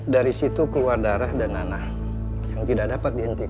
dari situ keluar darah dan nanah yang tidak dapat diintip